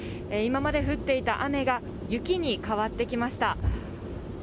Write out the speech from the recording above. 今まで降っていた雨が雪に変わってきました。